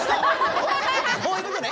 こういうことね。